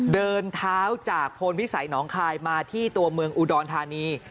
เดินเท้าจากพลวิสัยหนองคายมาที่ตัวเมืองอุดรธานี